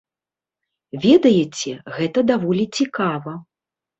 Ведаеце, гэта даволі цікава.